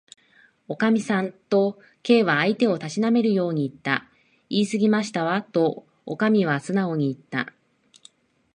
「おかみさん」と、Ｋ は相手をたしなめるようにいった。「いいすぎましたわ」と、おかみはすなおにいった。